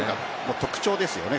特徴ですよね。